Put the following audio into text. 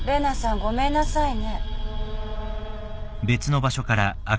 ごめんなさいね。